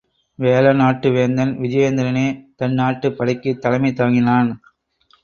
வேழ நாட்டு வேந்தன் விஜயேந்திரனே தன் நாட்டுப் படைக்குத் தலைமை தாங்கினான்.